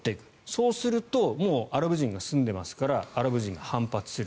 そうするともうアラブ人が住んでいますからアラブ人、反発する。